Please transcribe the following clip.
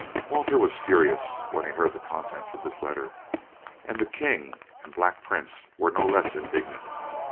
Walter was furious when he heard the contents of this letter, and the king and Black Prince were no less indignant.